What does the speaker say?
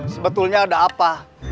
sebetulnya ada apa